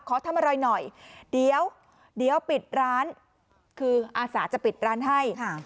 ขอทำอะไรหน่อยเดี๋ยวปิดร้านคืออาสาจะปิดร้านให้